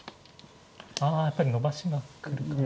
あやっぱり伸ばしまくる感じ。